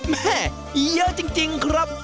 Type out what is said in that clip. แม่เยอะจริงครับ